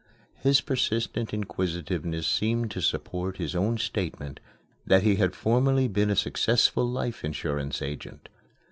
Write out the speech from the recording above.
His persistent inquisitiveness seemed to support his own statement that he had formerly been a successful life insurance agent.